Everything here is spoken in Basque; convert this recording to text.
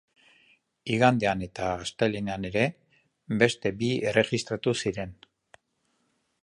Igandean eta astelehenean ere, beste bi erregistratu ziren.